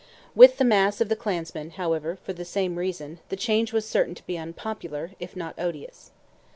With the mass of the clansmen, however, for the very same reason, the change was certain to be unpopular, if not odious.